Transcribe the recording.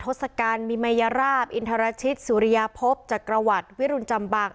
ทศกัณฐ์มีมัยราบอินทรชิตสุริยาพบจักรวรรดิวิรุณจำบัง